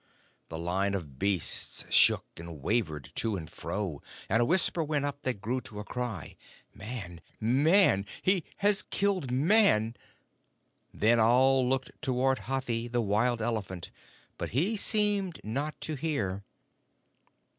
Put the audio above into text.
The line of beasts shook and wavered to and fro, and a whisper went up that grew to a cry: "Man! Man! He has killed Man!" Then all looked toward Hathi, the wild elephant, but he seemed not to hear.